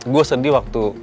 gue sedih waktu